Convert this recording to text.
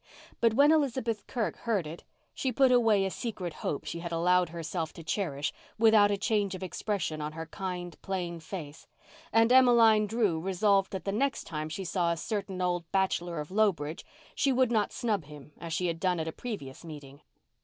But when Elizabeth Kirk heard it she put away a secret hope she had allowed herself to cherish, without a change of expression on her kind plain face, and Emmeline Drew resolved that the next time she saw a certain old bachelor of Lowbridge she would not snub him as she had done at a previous meeting.